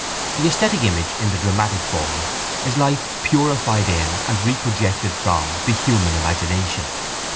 The esthetic image in the dramatic form is life purified in and reprojected from the human imagination.